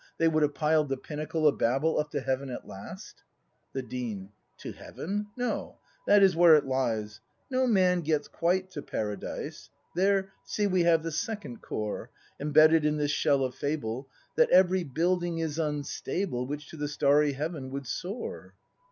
They would have piled the pinnacle Of Babel up to heaven at last ? The Dean, To heaven.? No, that is where it lies: No man gets quite to Paradise. There, see, we have the second core. Embedded in this shell of fable; — That every building is unstable Which to the starry heaven would soar!